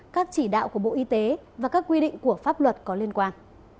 các chỉ đạo của bộ y tế và các quy định của pháp luật có liên quan